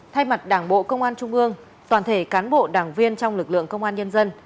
thay mặt đảng bộ công an trung ương toàn thể cán bộ đảng viên trong lực lượng công an nhân dân